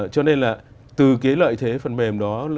cho nên là từ cái lợi thế phần mềm đó